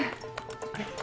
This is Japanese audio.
あれ？